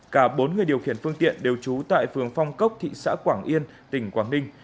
cả bốn người điều khiển phương tiện đều trú tại phường phong cốc thị xã quảng yên tỉnh quảng ninh